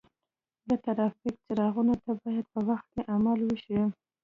د ترافیک څراغونو ته باید په وخت عمل وشي.